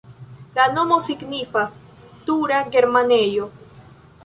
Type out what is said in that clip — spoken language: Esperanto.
La nomo signifas: tura-germanejo.